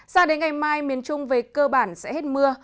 sao đến ngày mai miền trung về cơ bản sẽ hết mưa